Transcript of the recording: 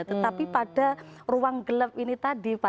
tetapi pada ruang gelap ini tadi